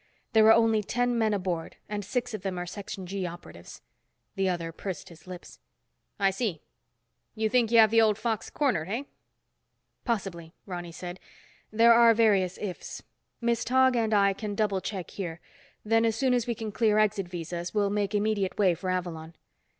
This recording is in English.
There are only ten men aboard, and six of them are Section G operatives." The other pursed his lips. "I see. You think you have the old fox cornered, eh?" "Possibly," Ronny said. "There are various ifs. Miss Tog and I can double check here. Then as soon as we can clear exit visas, we'll make immediate way for Avalon."